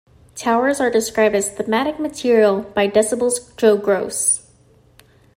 Towers are described as 'thematic' material by "Decibel"'s Joe Gross.